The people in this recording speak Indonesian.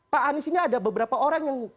pak anies ini ada beberapa orang yang